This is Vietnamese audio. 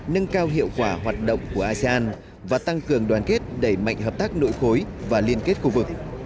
nâng cao hiệu quả hoạt động của asean và tăng cường đoàn kết đẩy mạnh hợp tác nội khối và liên kết khu vực